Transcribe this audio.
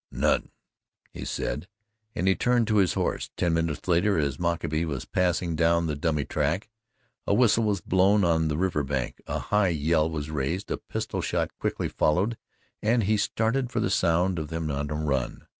"Nothin'," he said, and he turned to his horse. Ten minutes later, as Mockaby was passing down the dummy track, a whistle was blown on the river bank, a high yell was raised, a pistol shot quickly followed and he started for the sound of them on a run.